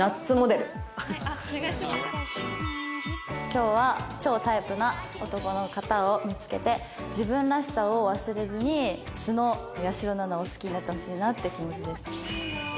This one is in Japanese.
今日は超タイプな男の方を見つけて自分らしさを忘れずに素の８４６７を好きになってほしいなって気持ちです。